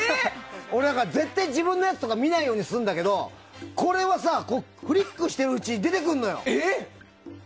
俺、絶対自分のやつとか見ないようにするんだけどこれはさ、フリックしてるうちに出てくるのよ。